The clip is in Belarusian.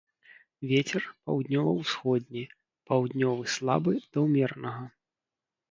Вецер паўднёва-ўсходні, паўднёвы слабы да ўмеранага.